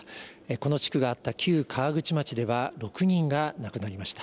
この地区があった旧川口町では６人が亡くなりました。